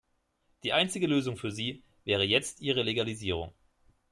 Die einzige Lösung für sie wäre jetzt ihre Legalisierung.